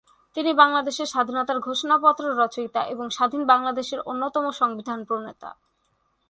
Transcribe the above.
তিনি বাংলাদেশের স্বাধীনতার ঘোষণাপত্র রচয়িতা এবং স্বাধীন বাংলাদেশের অন্যতম সংবিধান প্রণেতা।